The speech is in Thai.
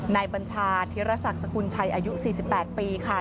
นายบรรชาธิรษศกุลชัยอายุ๔๘ปีค่ะ